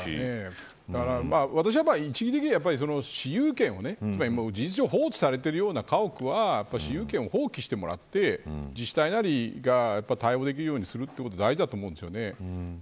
私は、一義的には私有権を、事実上放置されているような家屋は使用権を放棄してもらって自治体が対応できるようにするということが大事だと思うんですよね。